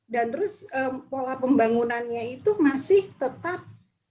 dan terus pola pembangunannya itu masih tetap